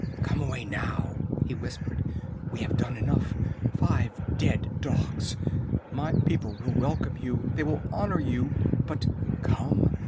"Come away, now!" he whispered. "We have done enough! Five dead dogs! My people will welcome you! They will honor you! But come!